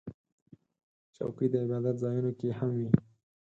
چوکۍ د عبادت ځایونو کې هم وي.